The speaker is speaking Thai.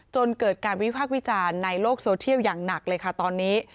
จนเกิดการวิพากษ์วิจารณ์ในโลกโซเทียลอย่างหนักเลยค่ะตอนนี้